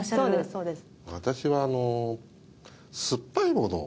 そうです